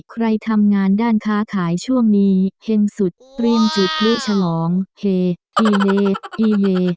ใครทำงานด้านค้าขายช่วงนี้เห็งสุดเตรียมจุดพลุฉลองเฮอีเลอีเย